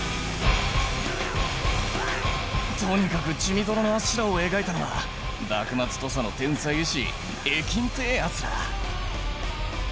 とにかく血みどろのあっしらを描いたのは幕末土佐の天才絵師絵金ってぇやつだ。